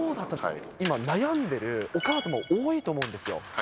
今、悩んでるお母様、多いと思うんですよ。